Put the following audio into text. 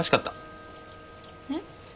えっ？